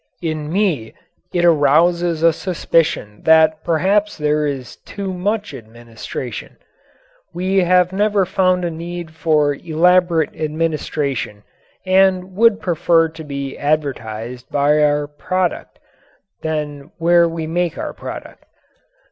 In me it arouses a suspicion that perhaps there is too much administration. We have never found a need for elaborate administration and would prefer to be advertised by our product than by where we make our product.